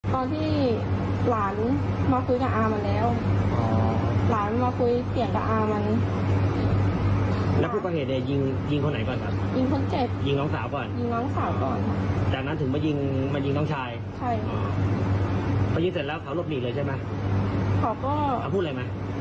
พูดอะไรไหมขอไม่พูดอะไรขอประสาทมอเทศไทยไป